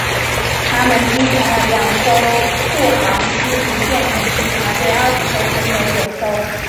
它们击沉了两艘护航驱逐舰以及船队十二艘中的九艘。